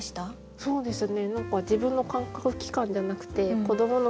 そうですよね。